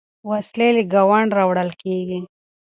وسلې له ګاونډه راوړل کېږي.